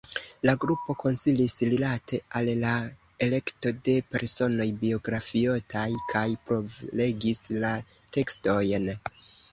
La grupo konsilis rilate al la elekto de personoj biografiotaj kaj provlegis la tekstojn.